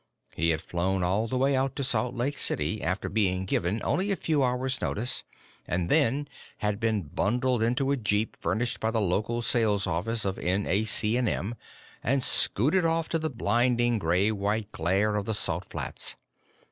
He had flown all the way out to Salt Lake City after being given only a few hours notice, and then had been bundled into a jeep furnished by the local sales office of NAC&M and scooted off to the blinding gray white glare of the Salt Flats.